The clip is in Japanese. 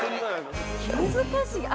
難しい。